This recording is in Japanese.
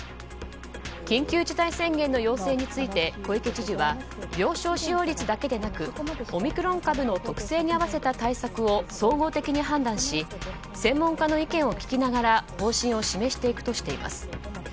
緊急事態宣言の要請について小池知事は病床使用率だけでなくオミクロン株の特性に合わせた対策を総合的に判断し専門家の意見を聞きながら方針を示していくとしています。